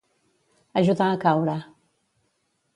Ajudar a caure.